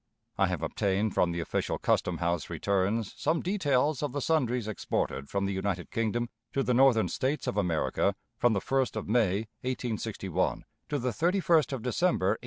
... I have obtained from the official custom house returns some details of the sundries exported from the United Kingdom to the Northern States of America from the 1st of May, 1861, to the 31st of December, 1862.